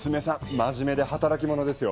まじめで働き者ですよ。